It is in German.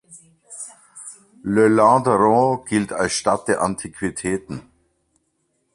Le Landeron gilt als «Stadt der Antiquitäten».